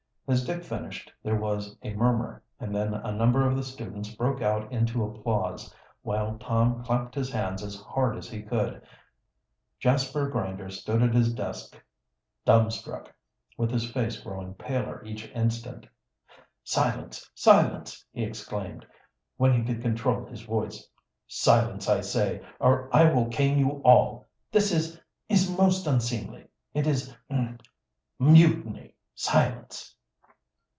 As Dick finished there was a murmur, and then a number of the students broke out into applause, while Tom clapped his hands as hard as he could. Jasper Grinder stood at his desk dumbstruck, with his face growing paler each instant. "Silence! silence!" he exclaimed, when he could control his voice. "Silence, I say, or I will cane you all! This is is most unseemly it is er mutiny! Silence!"